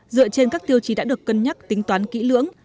dựa trên các tiêu chí đã được cân nhắc tính toán kỹ lưỡng